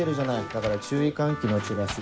だから注意喚起のチラシ。